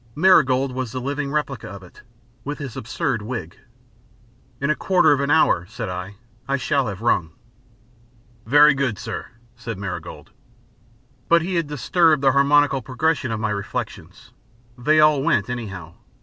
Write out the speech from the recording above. Marigold was the living replica of it with his absurd wig. "In a quarter of an hour," said I, "I shall have rung." "Very good, sir," said Marigold. But he had disturbed the harmonical progression of my reflections. They all went anyhow.